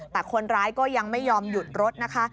แต่คนร้ายก็ยังไม่ยอมหยุดรถนะคะ